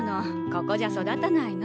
ここじゃ育たないの。